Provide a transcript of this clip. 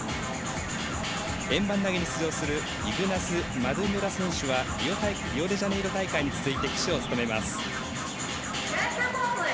円盤投げに出場するイグナスマドゥムラ選手はリオデジャネイロ大会に続いて旗手を務めます。